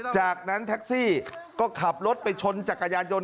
จากนั้นแท็กซี่ก็ขับรถไปชนจักรยานยนต